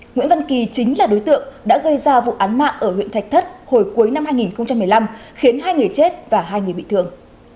nguyễn văn kỳ chính là đối tượng đã gây ra vụ án mạng ở huyện thạch thất hồi cuối năm hai nghìn một mươi năm khiến hai người chết và hai người bị thương